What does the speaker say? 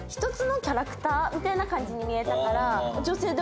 みたいな感じに見えたから。